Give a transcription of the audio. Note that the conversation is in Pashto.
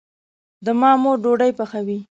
د ما مور ډوډي پخوي